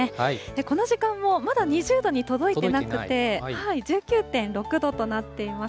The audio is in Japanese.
この時間もまだ２０度に届いてなくて、１９．６度となっています。